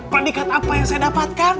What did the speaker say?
predikat apa yang saya dapatkan